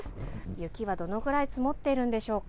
雪はどのぐらい積もっているんでしょうか。